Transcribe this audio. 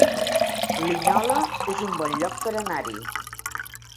Linyola es un bon lloc per anar-hi